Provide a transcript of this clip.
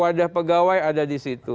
wadah pegawai ada di situ